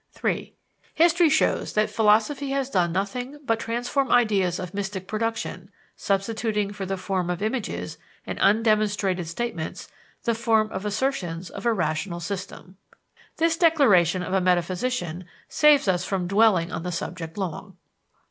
(3) "History shows that philosophy has done nothing but transform ideas of mystic production, substituting for the form of images and undemonstrated statements the form of assertions of a rational system." This declaration of a metaphysician saves us from dwelling on the subject long.